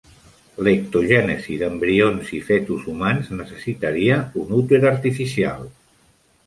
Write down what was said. L'ectogènesi d'embrions i fetus humans necessitaria un úter artificial.